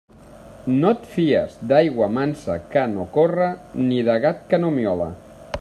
No et fies d'aigua mansa que no corre ni de gat que no miola.